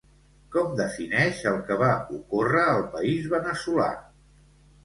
Com defineix el que va ocórrer al país veneçolà?